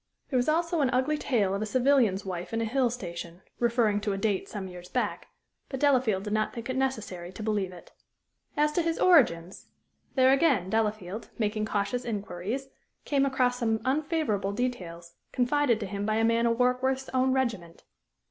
There was also an ugly tale of a civilian's wife in a hill station, referring to a date some years back; but Delafield did not think it necessary to believe it. As to his origins there again, Delafield, making cautious inquiries, came across some unfavorable details, confided to him by a man of Warkworth's own regiment.